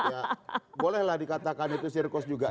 ya bolehlah dikatakan itu sirkus juga